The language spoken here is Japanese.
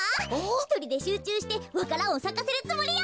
ひとりでしゅうちゅうしてわか蘭をさかせるつもりよ！